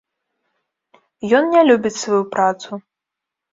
Ён не любіць сваю працу.